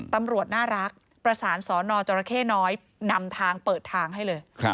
ตำรวจน่ารักประสานสนจรเข้น้อยนำทางเปิดทางให้เลย